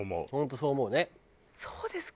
そうですか？